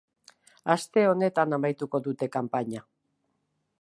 Aste honetan amaituko dute kanpaina.